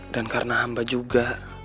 dan karena hamba juga